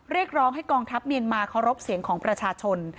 เรียกร้องให้กองทัพเมียนมาเคารพเสียงของประชาชน